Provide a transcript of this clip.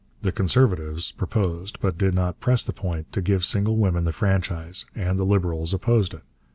The 'Conservatives' proposed, but did not press the point, to give single women the franchise, and the 'Liberals' opposed it.